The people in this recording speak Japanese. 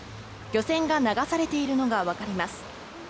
漁船が流されているのが分かります。